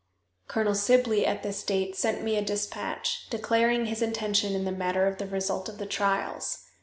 Colonel Sibley at this date sent me a dispatch, declaring his intention in the matter of the result of the trials.